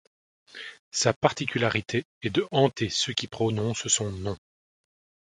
Sa particularité est de hanter ceux qui prononcent son nom.